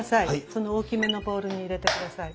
その大きめのボウルに入れて下さい。